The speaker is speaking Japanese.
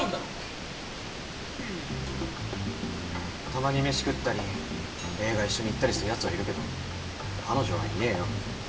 たまに飯食ったり映画一緒に行ったりするやつはいるけど彼女はいねえよ。